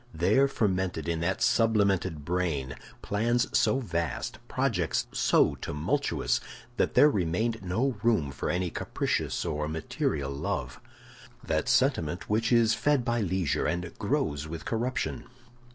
There fermented in that sublimated brain plans so vast, projects so tumultuous, that there remained no room for any capricious or material love—that sentiment which is fed by leisure and grows with corruption.